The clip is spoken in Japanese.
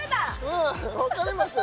うん分かれますよ